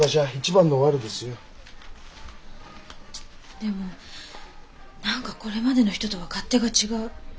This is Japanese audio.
でも何かこれまでの人とは勝手が違う。